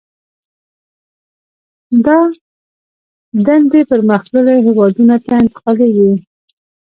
دا دندې پرمختللو هېوادونو ته انتقالېږي